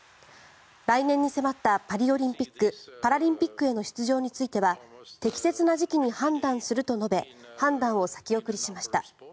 来年に迫ったパリオリンピック・パラリンピックへの出場については適切な時期に判断すると述べ判断を先送りしました。